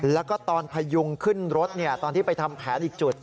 แล้วก็ตอนพยุงขึ้นรถตอนที่ไปทำแผนอีกจุด